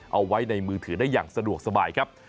เอาไว้ในมือถือได้อย่างสะดวกสบายครับ